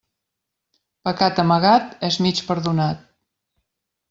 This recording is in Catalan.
Pecat amagat és mig perdonat.